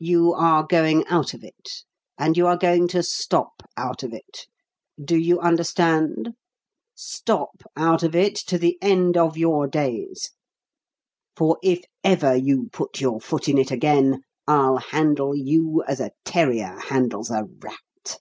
You are going out of it, and you are going to stop out of it. Do you understand? Stop out of it to the end of your days. For if ever you put foot in it again I'll handle you as a terrier handles a rat!